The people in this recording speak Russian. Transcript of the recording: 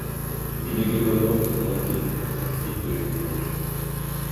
– Меня когда бабка колотит, и то я не плачу!